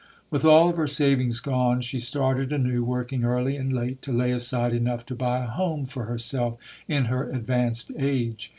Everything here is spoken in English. With all of her savings gone, she started anew, working early and late, to lay aside enough to buy a home for herself in her advanced age.